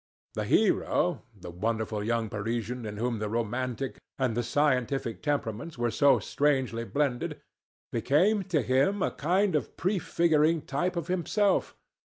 The hero, the wonderful young Parisian in whom the romantic and the scientific temperaments were so strangely blended, became to him a kind of prefiguring type of himself.